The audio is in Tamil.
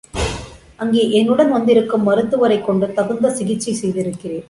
அங்கே என்னுடன் வந்திருக்கும் மருத்துவரைக் கொண்டு தகுந்த சிகிச்சை செய்திருக்கிறேன்.